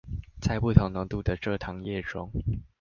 在不同濃度的蔗糖液中